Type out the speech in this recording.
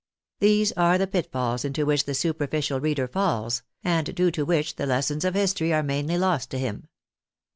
These are the pitfalls into which the superficial reader falls, and due to which the lessons of history are mainly lost to him.